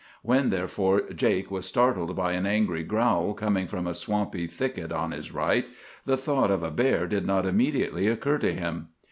When, therefore, Jake was startled by an angry growl, coming from a swampy thicket on his right, the thought of a bear did not immediately occur to him.